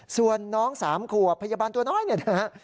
ส่วนน้อง๓ขวบพยาบาลตัวน้อยเนี่ยนะฮะ